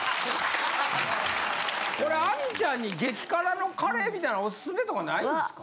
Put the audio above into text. これ亜美ちゃんに激辛のカレーみたいなオススメとかないんですか？